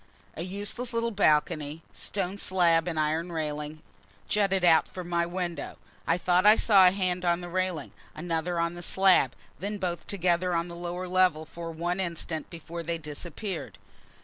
A useless little balcony stone slab and iron railing jutted out from my window. I thought I saw a hand on the railing, another on the slab, then both together on the lower level for one instant before they disappeared.